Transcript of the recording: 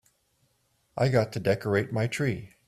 I've got to decorate my tree.